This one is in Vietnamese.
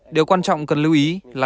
điều quan trọng cần lưu ý là